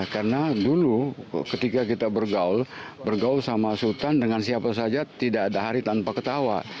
karena dulu ketika kita bergaul bergaul sama sultan dengan siapa saja tidak ada hari tanpa ketawa